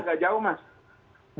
keluarannya agak jauh mas